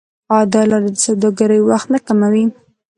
آیا دا لارې د سوداګرۍ وخت نه کموي؟